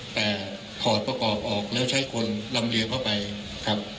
แต่ถอดประกอบออกแล้วใช้คนลำเลียงเข้าไปครับ